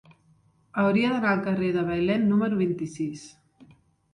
Hauria d'anar al carrer de Bailèn número vint-i-sis.